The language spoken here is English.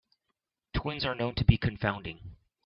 Twins are known to be confounding.